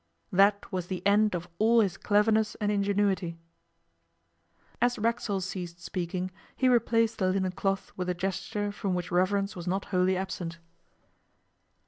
That was the end of all his cleverness and ingenuity.' As Racksole ceased, speaking he replaced the linen cloth with a gesture from which reverence was not wholly absent.